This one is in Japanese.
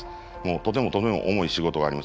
とてもとても重い仕事があります。